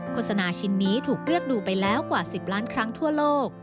โฆษณาชิ้นนี้ถูกเลือกดูไปแล้วกว่า๑๐ล้านครั้งทั่วโลก